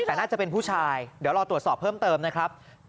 แต่น่าจะเป็นผู้ชายเดี๋ยวรอตรวจสอบเพิ่มเติมนะครับ